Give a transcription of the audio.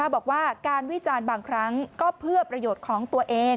บอกว่าการวิจารณ์บางครั้งก็เพื่อประโยชน์ของตัวเอง